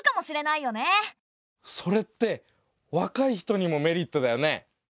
それって若い人にもメリットだよね。